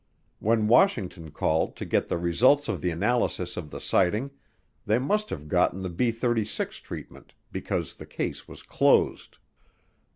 When Washington called to get the results of the analysis of the sighting, they must have gotten the B 36 treatment because the case was closed.